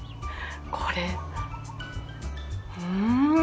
これ、うん！